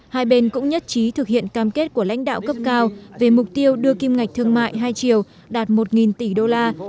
hai bên cũng nhất trí thực hiện cam kết của lãnh đạo cấp cao về mục tiêu đưa kim ngạch thương mại hai triệu đạt một tỷ đô la